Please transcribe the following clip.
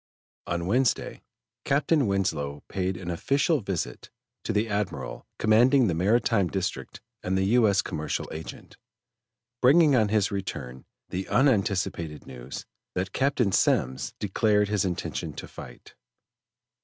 On Wednesday, Captain Winslow paid an official visit to the Admiral commanding the Maritime District and the U. S. Commercial Agent, bringing on his return the unanticipated news that Captain Semmes declared his intention to fight.